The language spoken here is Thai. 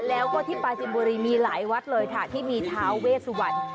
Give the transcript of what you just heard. แล้วก็ที่ปาจินบุรีมีหลายวัดเลยค่ะที่มีท้าเวสวรรณ